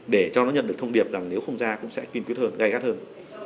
để cho nó nhận được thông điệp rằng nếu không ra cũng sẽ kiên quyết hơn gây gắt hơn